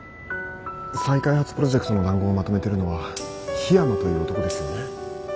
再開発プロジェクトの談合をまとめてるのは樋山という男ですよね。